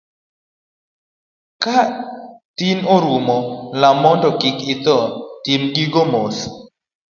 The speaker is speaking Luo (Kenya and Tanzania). Ka tin orumo, lam mondo kiki itho, tim giki mos.